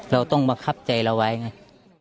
เราต้องบังคับใจเราไว้ไง